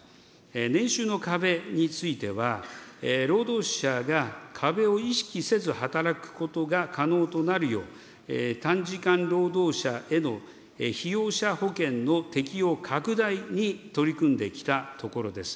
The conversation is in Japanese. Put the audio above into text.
年収の壁については、労働者が壁を意識せず働くことが可能となるよう、短時間労働者への被用者保険の適用拡大に取り組んできたところです。